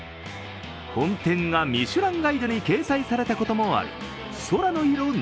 本店がミシュランガイドに掲載されたこともあるソラノイロ